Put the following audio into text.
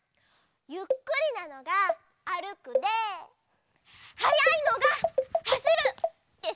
ゆっくりなのがあるくではやいのがはしる！でしょ？